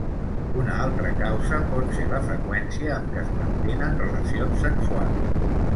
Una altra causa pot ser la freqüència amb què es mantenen relacions sexuals.